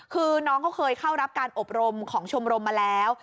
คือน้องเขาเคยเข้ารับการอบรมของชมรมมาแล้ว